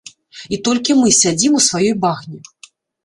І толькі мы сядзім у сваёй багне.